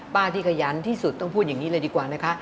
ป้าที่ขยันที่สุดต้องพูดอย่างนี้เลยดีกว่านะคะ